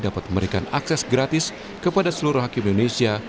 dapat memberikan akses gratis kepada seluruh hakim indonesia